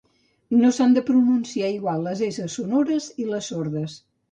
No s'han de pronunciar igual les esses sonores i les sordes